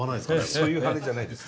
そういう羽じゃないです。